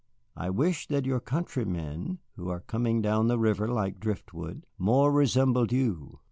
I wish that your countrymen, who are coming down the river like driftwood, more resembled you.